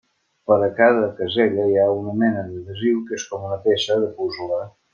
Per a cada casella hi ha una mena d'adhesiu que és com una peça de puzle.